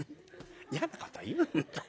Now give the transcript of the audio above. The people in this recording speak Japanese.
嫌なこと言うんだ。